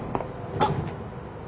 あっ。